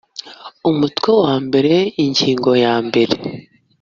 umutwe wa mbere ingingo ya mbere